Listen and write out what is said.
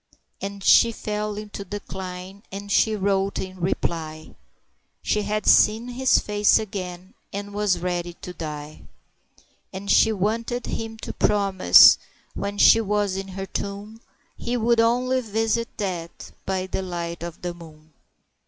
And she fell into decline, and she wrote in reply, "She had seen his face again and was ready to die"; And she wanted him to promise, when she was in her tomb, He would only visit that by the light of the moon.